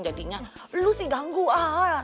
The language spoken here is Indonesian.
jadinya lu sih ganggu ah